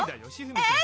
えっ？